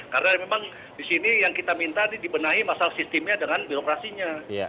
karena memang di sini yang kita minta ini dibenahi masalah sistemnya dengan birokrasinya